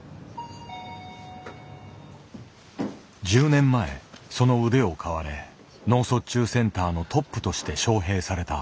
１０年前その腕を買われ脳卒中センターのトップとして招へいされた。